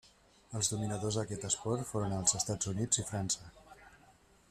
Els dominadors d'aquest esport foren els Estats Units i França.